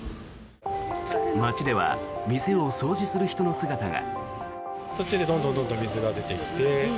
街では店を掃除する人の姿が。